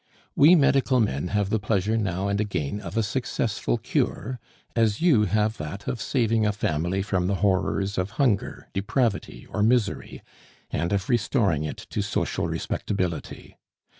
We medical men have the pleasure now and again of a successful cure, as you have that of saving a family from the horrors of hunger, depravity, or misery, and of restoring it to social respectability.